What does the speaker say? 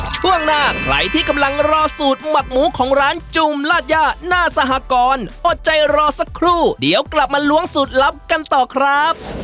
ช่วงหน้าใครที่กำลังรอสูตรหมักหมูของร้านจูมลาดย่าหน้าสหกรอดใจรอสักครู่เดี๋ยวกลับมาล้วงสูตรลับกันต่อครับ